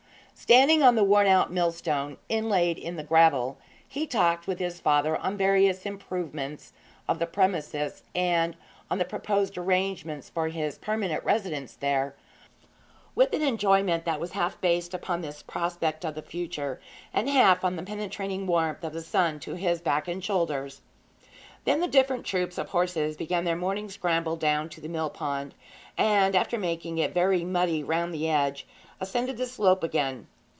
Standing on the worn out mill stone inlaid in the gravel, he talked with his father on various improvements of the premises, and on the proposed arrangements for his permanent residence there, with an enjoyment that was half based upon this prospect of the future, and half on the penetrating warmth of the sun to his back and shoulders. Then the different troops of horses began their morning scramble down to the mill pond, and, after making it very muddy round the edge, ascended the slope again.